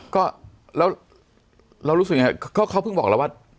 ก็แล้วเรารู้สึกยังไงเขาเพิ่งบอกแล้วว่า